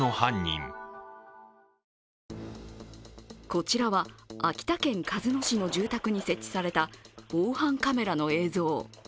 こちらは秋田県鹿角市の住宅に設置された防犯カメラの映像。